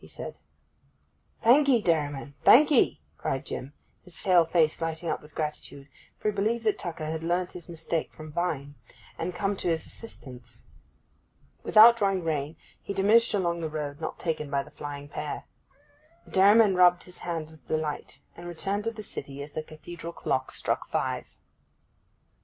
he said. 'Thank 'ee, dairyman, thank 'ee!' cried Jim, his pale face lighting up with gratitude, for he believed that Tucker had learnt his mistake from Vine, and had come to his assistance. Without drawing rein he diminished along the road not taken by the flying pair. The dairyman rubbed his hands with delight, and returned to the city as the cathedral clock struck five.